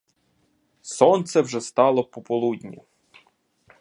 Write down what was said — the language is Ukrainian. Сонце вже стало пополудні.